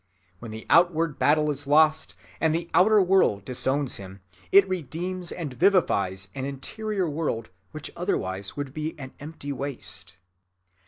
When the outward battle is lost, and the outer world disowns him, it redeems and vivifies an interior world which otherwise would be an empty waste.